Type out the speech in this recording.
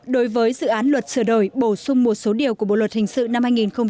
đối với dự án luật sửa đổi bổ sung một số điều của bộ luật hình sự năm hai nghìn một mươi năm